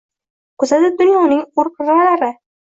Kuzatib dunyoning o’r- qirlarini.